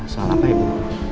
soal apa ya bu